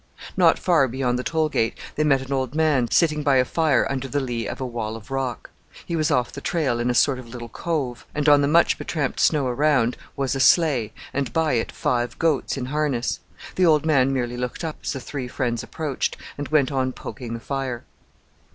Not far beyond the toll gate they met an old man sitting by a fire under the lee of a wall of rock. He was off the trail in a sort of little cove, and on the much betramped snow around was a sleigh, and by it five goats in harness. The old man merely looked up as the three friends approached, and went on poking the fire.